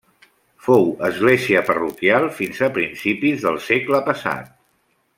Fou església parroquial fins a principis del segle passat.